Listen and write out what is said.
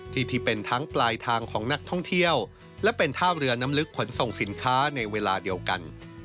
ที่เป็นทั้งปลายทางของนักท่องเที่ยวและเป็นท่าเรือน้ำลึกขนส่งสินค้าในเวลาเดียวกัน